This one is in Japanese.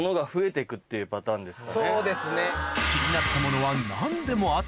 そうですね。